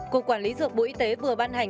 cục quản lý dược bộ y tế vừa ban hành